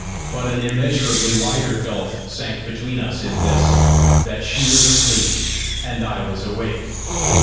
but an immeasurably wider gulf sank between us in this that she was asleep and I was awake!